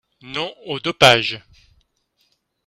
Non au dopage